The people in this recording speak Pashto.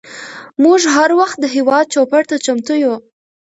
موږ هر وخت د هیواد چوپړ ته چمتو یوو.